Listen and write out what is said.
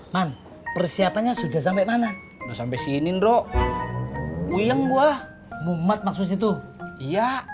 man persiapannya sudah sampai mana sampai sini nro uyang gua mumet maksudnya tuh iya